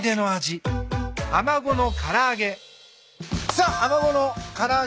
さあアマゴの唐揚げ